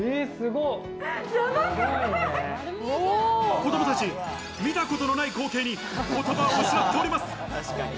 子供たち、見たこともない光景に言葉を失っております。